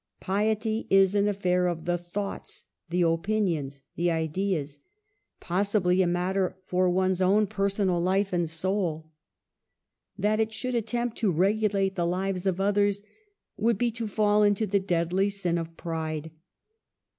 Piety is an affair of the thoughts, the opinions, the ideas, — possibly a matter for one's own per sonal life and soul. That it should attempt to regulate the lives of others would be to fall into the deadly sin of pride.